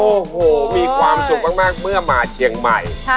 โอ้โหมีความสุขมากเมื่อมาเชียงใหม่